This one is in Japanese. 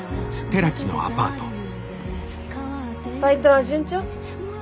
バイトは順調？